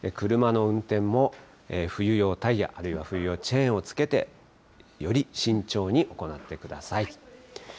車の運転も冬用タイヤ、あるいは冬用チェーンをつけて、より慎重に行ってください。